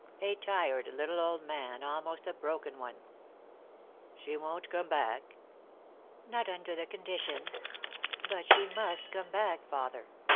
A tired little old man, almost a broken one. "She won't come back?" "Not under the conditions. But she must come back, father.